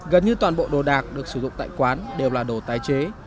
gần như toàn bộ đồ đạc được sử dụng tại quán đều là đồ tái chế